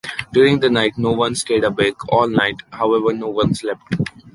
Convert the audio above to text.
During the night, no one stayed awake all night, however no one slept.